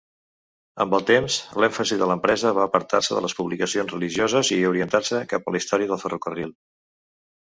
Amb el temps l'èmfasi de l'empresa va apartar-se de les publicacions religioses i orientar-se cap a la història del ferrocarril.